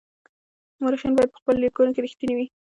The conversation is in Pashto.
مورخین باید په خپلو لیکنو کي رښتیني وي.